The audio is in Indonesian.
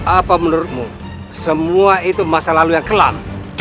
apa menurutmu semua itu masa lalu yang kelam